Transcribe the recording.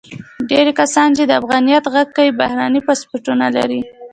ډیری کسان چې د افغانیت غږ کوي، بهرني پاسپورتونه لري.